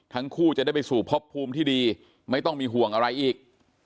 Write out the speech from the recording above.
ทั้งคู่จะได้ไปสู่พบภูมิที่ดีไม่ต้องมีห่วงอะไรอีก